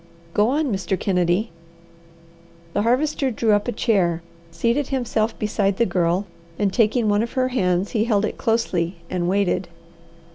Go on, Mr. Kennedy." The Harvester drew up a chair, seated himself beside the Girl, and taking one of her hands, he held it closely and waited.